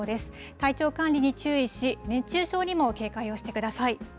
体調管理に注意し、熱中症にも警戒をしてください。